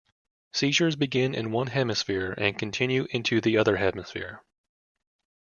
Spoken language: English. Seizures begin in one hemisphere and continue into the other hemisphere.